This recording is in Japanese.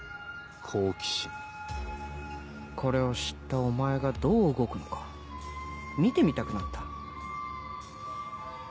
これを知ったお前がどう動くのか見てみたくなった。